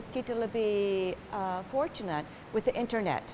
sekarang kita sangat beruntung dengan internet